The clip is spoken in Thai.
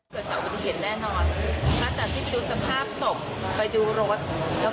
มันไม่มีเสาหลักอะค่ะ